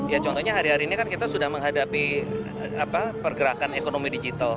ya contohnya hari hari ini kan kita sudah menghadapi pergerakan ekonomi digital